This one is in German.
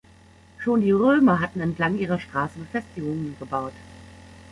Schon die Römer hatten entlang ihrer Strasse Befestigungen gebaut.